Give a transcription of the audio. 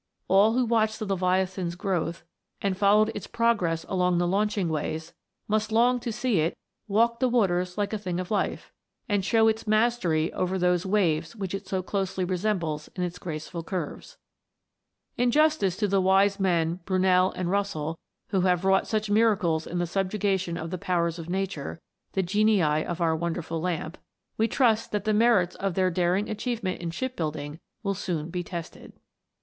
All who watched the Leviathan's growth, and followed its progress along the launching ways, must long to see it " walk the waters like a thing of life," and show its mastery over those waves which it so closely resembles in its graceful curves. In justice to the wise men Brunei and Russell, who have wrought such mira cles in the subjugation of the powers of nature, the genii of our wonderful lamp, we trust that the merits of their daring achievement in ship building will soon be tested.